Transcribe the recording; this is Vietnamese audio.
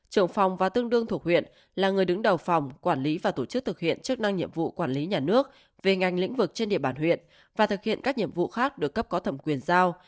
trưởng phòng và tương đương thuộc huyện là người đứng đầu phòng quản lý và tổ chức thực hiện chức năng nhiệm vụ quản lý nhà nước về ngành lĩnh vực trên địa bàn huyện và thực hiện các nhiệm vụ khác được cấp có thẩm quyền giao